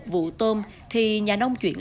một vụ tôm thì nhà nông chuyển